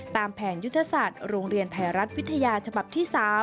ตามแผนยุทธศาสตร์โรงเรียนไทยรัฐวิทยาฉบับที่๓